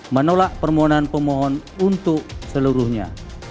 menolak permohonan pemohon untuk seluruhnya